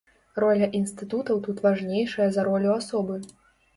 Роля інстытутаў тут важнейшая за ролю асобы.